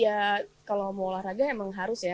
ya kalau mau olahraga emang harus ya